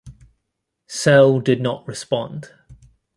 Searle did not respond.